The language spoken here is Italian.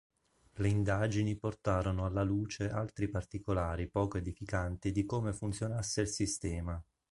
Le indagini portarono alla luce altri particolari poco edificanti di come funzionasse il sistema.